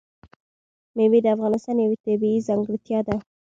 مېوې د افغانستان یوه طبیعي ځانګړتیا ده.